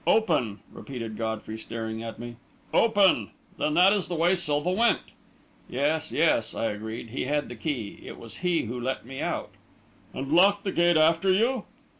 "Open!" repeated Godfrey, staring at me. "Open! Then that is the way Silva went!" "Yes, yes," I agreed. "He had the key. It was he who let me out." "And locked the gate after you?"